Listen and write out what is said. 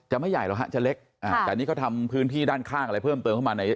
ไม่ใหญ่หรอกฮะจะเล็กแต่นี่เขาทำพื้นที่ด้านข้างอะไรเพิ่มเติมเข้ามาใน